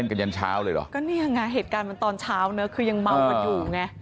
กันยันเช้าเลยเหรอก็เนี่ยไงเหตุการณ์มันตอนเช้าเนอะคือยังเมากันอยู่ไง